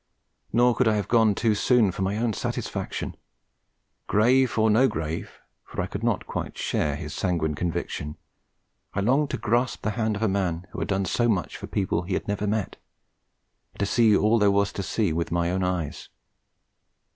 Nor could I have gone too soon for my own satisfaction. Grave or no grave (for I could not quite share his sanguine conviction), I longed to grasp the hand of a man who had done so much for people he had never met: and to see all there was to see with my own eyes.